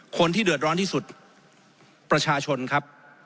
คนที่เดือดร้อนที่สุดประชาชนครับ